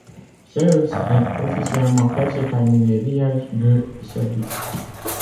Seleuš est officiellement classé parmi les villages de Serbie.